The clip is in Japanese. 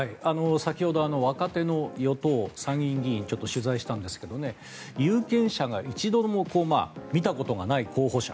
先ほど若手の与党参議院議員ちょっと取材したんですが有権者が一度も見たことがない候補者。